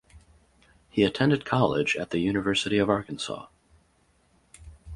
He attended college at the University of Arkansas.